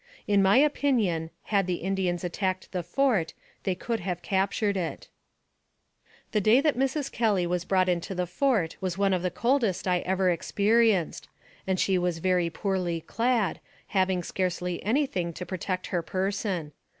In my opinion, had the Indians attacked the fort, they could have captured it. The day that Mrs. Kelly was brought into the fort was one of the coldest I ever experienced, and she was very poorly clad, having scarcely any thing to protect her person.